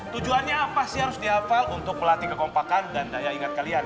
tujuannya apa sih harus dihafal untuk melatih kekompakan dan daya ingat kalian